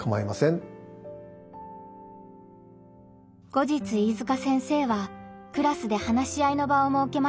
後日飯塚先生はクラスで話し合いの場をもうけました。